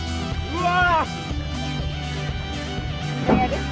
うわ！